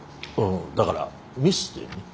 だからミスでね。